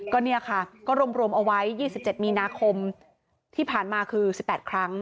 ก็รวมเอาไว้๒๗มีนาคมที่ผ่านมาคือ๑๘ครั้ง